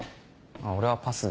俺はパスで。